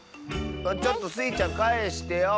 ちょっとスイちゃんかえしてよ。